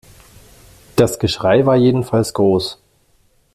Das Geschrei war jedenfalls groß.